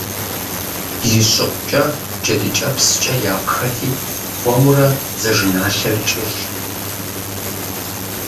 Ищӏыӏукӏэ джэдыкӏэпскӏэ япхэти, хуэмурэ дзажэналъэр кӏыжт.